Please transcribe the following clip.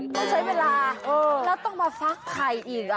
มันใช้เวลาแล้วต้องมาฟักไข่อีกอ่ะ